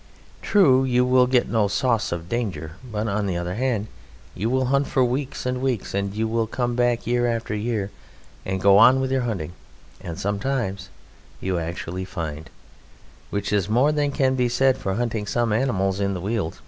True, you will get no sauce of danger, but, on the other hand, you will hunt for weeks and weeks, and you will come back year after year and go on with your hunting, and sometimes you actually find which is more than can be said for hunting some animals in the Weald.